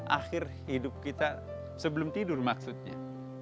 akhir hidup kita sebelum tidur maksudnya